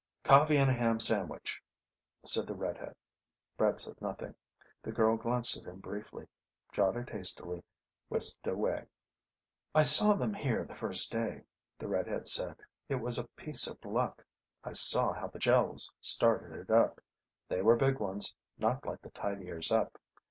"Coffee and a ham sandwich," said the red head. Brett said nothing. The girl glanced at him briefly, jotted hastily, whisked away. "I saw them here the first day," the red head said. "It was a piece of luck. I saw how the Gels started it up. They were big ones not like the tidiers up.